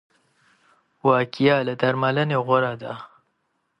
وقايه له درملنې غوره ده.